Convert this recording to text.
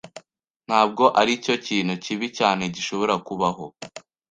Ntabwo aricyo kintu kibi cyane gishobora kubaho.